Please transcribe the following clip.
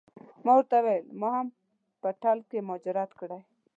ما ورته وویل ما هم په ټل کې مهاجرت کړی.